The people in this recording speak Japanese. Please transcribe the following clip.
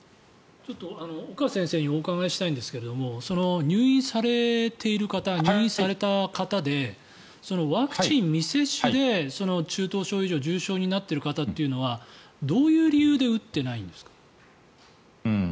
岡先生にお伺いしたいんですが入院されている方入院された方でワクチン未接種で中等症以上重症以上になっている方というのはどういう理由で打っていないんですか？